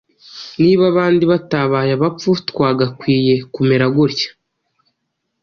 Niba abandi batabaye abapfu twagakwiye kumera gutya.